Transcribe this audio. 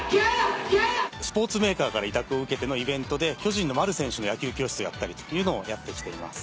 スポーツメーカーから委託を受けてのイベントで巨人の丸選手の野球教室をやったりというのをやってきています。